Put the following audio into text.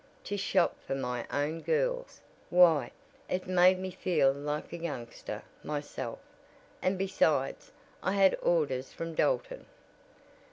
To shop for my own girls. Why, it made me feel like a youngster, myself. And besides, I had orders from Dalton."